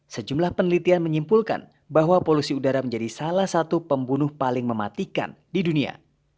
sejumlah penelitian menyimpulkan bahwa polusi udara menjadi salah satu pembunuh paling mematikan di dunia